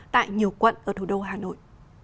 tại nhiều quận ở thủ đô hà nội